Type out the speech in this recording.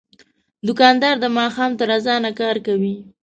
دوکاندار د ماښام تر اذانه کار کوي.